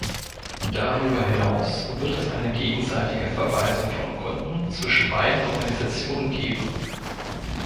Darüber hinaus wird es eine gegenseitige Verweisung von Kunden zwischen beiden Organisationen geben.